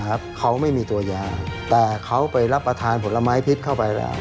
ครับเขาไม่มีตัวยาแต่เขาไปรับประทานผลไม้พิษเข้าไปแล้ว